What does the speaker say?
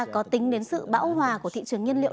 có tính đến sự bão hòa của thị trường nhiên liệu